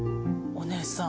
お姉さん